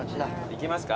行きますか？